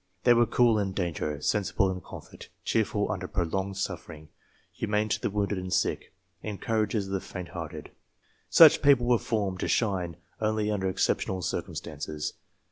They were cool in danger, sensible in council, cheer ful under prolonged suffering, humane to the wounded and sick, encouragers of the faint hearted. Such people were formed to shine only under exceptional circumstances.